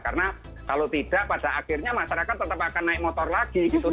karena kalau tidak pada akhirnya masyarakat tetap akan naik motor lagi gitu